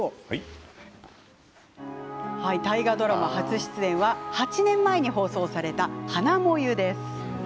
大河ドラマ初出演は８年前に放送された「花燃ゆ」。